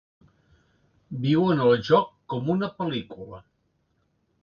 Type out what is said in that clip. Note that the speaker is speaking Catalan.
Viuen el joc com una pel·lícula.